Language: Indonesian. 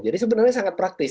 jadi sebenarnya sangat praktis